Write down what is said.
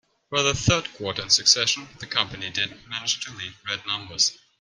For the third quarter in succession, the company didn't manage to leave red numbers.